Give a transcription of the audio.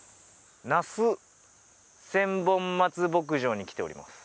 那須千本松牧場に来ております。